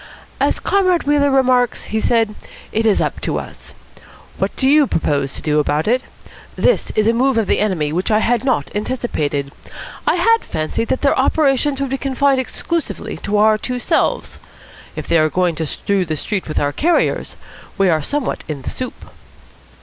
"As Comrade Wheeler remarks," he said, "it is up to us. What do you propose to do about it? This is a move of the enemy which I have not anticipated. I had fancied that their operations would be confined exclusively to our two selves. If they are going to strew the street with our carriers, we are somewhat in the soup."